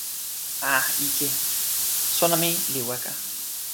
a, ike, sona mi li weka.